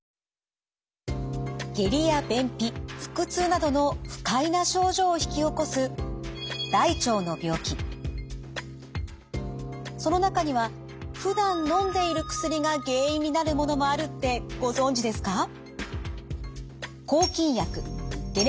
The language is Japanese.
下痢や便秘腹痛などの不快な症状を引き起こすその中にはふだんのんでいる薬が原因になるものもあるってご存じですか？